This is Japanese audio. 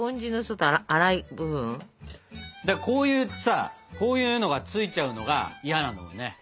こういうさこういうのがついちゃうのが嫌なんだもんね。